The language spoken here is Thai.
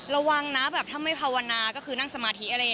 ระวังนะถ้าไม่พัวนาก็คือนั่งสมาธิ